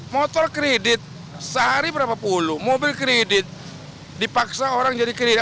motor kredit sehari berapa puluh mobil kredit dipaksa orang jadi kredit